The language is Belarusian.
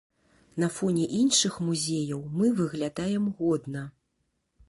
На фоне іншых музеяў мы выглядаем годна!